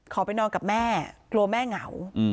ไปนอนกับแม่กลัวแม่เหงา